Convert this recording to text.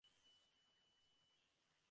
তিনি আই.এম.এ জার্নালেরও দ্বিতীয় সম্পাদক হন।